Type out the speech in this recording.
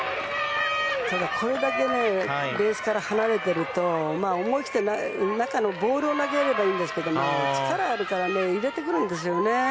ただ、これだけベースから離れていると思い切って中のボールを投げればいいんですけれども力があるから入れてくるんですよね。